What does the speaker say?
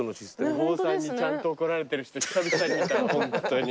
お坊さんにちゃんと怒られてる人久々に見たわホントに。